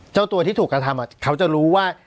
เจ้าตัวที่ถูกกระทำเขาจะรู้ว่า